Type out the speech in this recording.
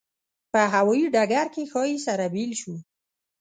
په هوایي ډګر کې ښایي سره بېل شو.